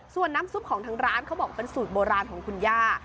ส่วนน้ำซุปของทางร้านเขาบอกเป็นสูตรโบราณของคุณย่า